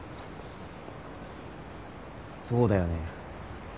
そうだよね。